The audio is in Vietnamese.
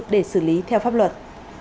để xử lý theo pháp luật